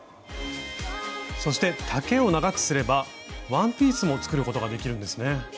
そして丈を長くすればワンピースも作ることができるんですね。